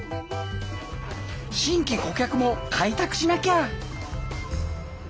新規顧客も開拓しなきゃ。